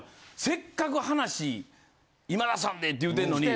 せっかく話今田さんでって言うてんのに。